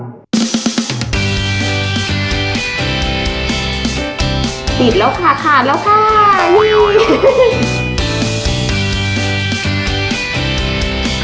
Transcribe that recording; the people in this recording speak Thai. ติดแล้วค่ะขาดแล้วค่ะวิว